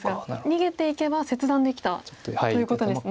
逃げていけば切断できたということですね。